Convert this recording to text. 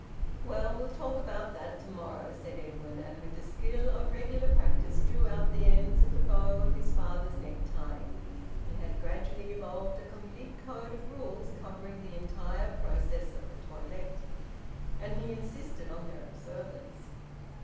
"Well, we'll talk about that to morrow," said Edwin, and with the skill of regular practice drew out the ends of the bow of his father's necktie. He had gradually evolved a complete code of rules covering the entire process of the toilette, and he insisted on their observance.